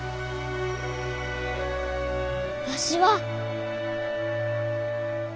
わしは。